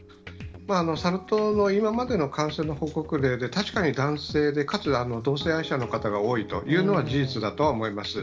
サル痘の今までの感染の報告例で、確かに男性で、かつ同性愛者の方が多いというのは事実だとは思います。